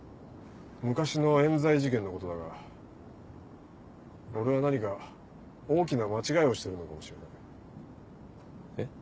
昔の冤罪事件のことだが俺は何か大きな間違いをしているのかもしれない。